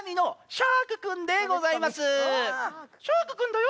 シャークくんだよ！